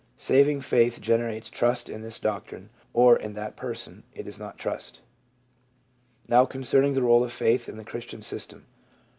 Saving faith generates trust in this doctrine or in that person ; it is not trust. Now concerning the role of faith in the Christian system.